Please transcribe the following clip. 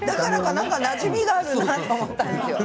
何かなじみがあるなと思ったんですよ。